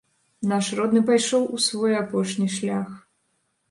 Наш родны пайшоў у свой апошні шлях.